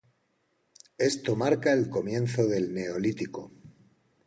Esto marca el comienzo del Neolítico.